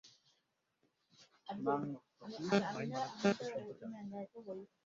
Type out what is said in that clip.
তুই কি ভাই মারার কষ্ট শোনতে চাস?